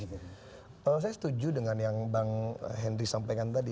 saya setuju dengan yang bang hendri sampaikan tadi